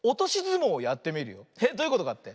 えっどういうことかって？